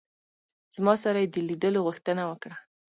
زما سره یې د لیدلو غوښتنه وکړه.